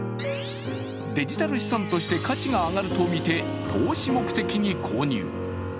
デジタル資産として価値が上がるとみて、投資目的に購入。